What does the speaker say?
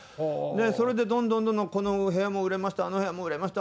それでどんどんどんどんこの部屋も売れました、あの部屋も売れました、